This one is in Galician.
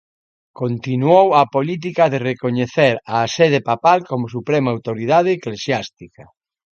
Continuou a política de recoñecer á sede papal como suprema autoridade eclesiástica.